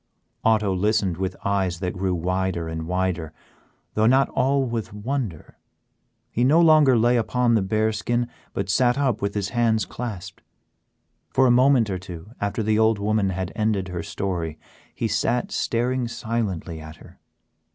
Otto listened with eyes that grew wider and wider, though not all with wonder; he no longer lay upon the bear skin, but sat up with his hands clasped. For a moment or two after the old woman had ended her story, he sat staring silently at her.